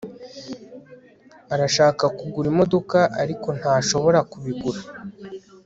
Arashaka kugura imodoka ariko ntashobora kubigura